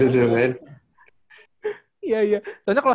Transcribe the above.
soalnya kalau setahun lalu kan kalah